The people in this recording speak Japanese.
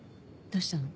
どうしたの？